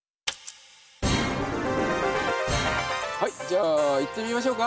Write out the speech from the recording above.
はいじゃあいってみましょうか。